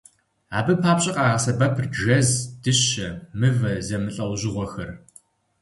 Абы папщӀэ къагъэсэбэпырт жэз, дыщэ, мывэ зэмылӀэужьыгъуэхэр.